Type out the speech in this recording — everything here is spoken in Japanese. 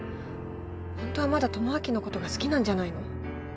本当はまだ智明のことが好きなんじゃないの？